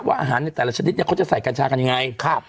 อาหารในแต่ละชนิดเนี่ยเขาจะใส่กัญชากันยังไงครับ